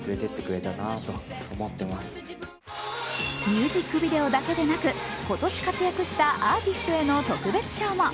ミュージックビデオだけでなく、今年活躍したアーティストへの特別賞も。